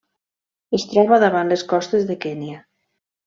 Es troba davant les costes de Kenya.